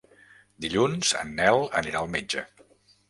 Dilluns en Nel anirà al metge.